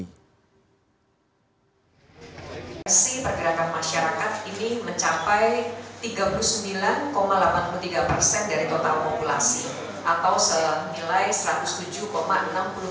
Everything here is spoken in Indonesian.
kemenhub juga mengatakan bahwa kemampuan perjalanan di nataru akan mencapai tiga puluh sembilan delapan puluh tiga persen dari total populasi